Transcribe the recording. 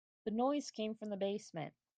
The noise came from the basement.